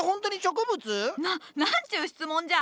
な何ちゅう質問じゃ！